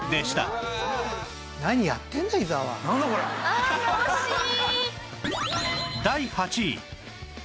ああ惜しい！